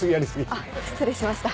あっ失礼しました。